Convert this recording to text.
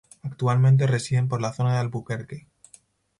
Actualmente residen por la zona de Albuquerque.